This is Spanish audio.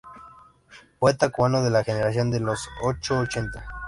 Poeta cubano de la Generación de los años ochenta.